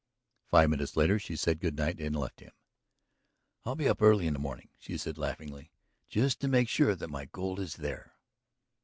Five minutes later she said good night and left him. "I'll be up early in the morning," she said laughingly. "Just to make sure that my gold is there!"